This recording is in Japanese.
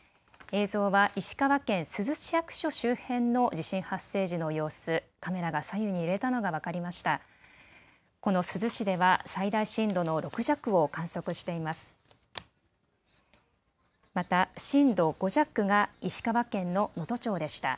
映像は石川県珠洲市役所周辺の地震発生時の様子、カメラが左右に揺れたのが分かりました。